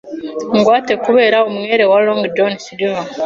ingwate kubera umwere wa Long John Silver.